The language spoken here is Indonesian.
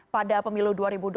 pada pemilu dua ribu dua puluh